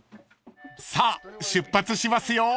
［さあ出発しますよ］